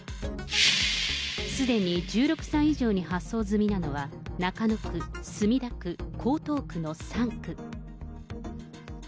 すでに１６歳以上に発送済みなのは、中野区、墨田区、江東区の３区。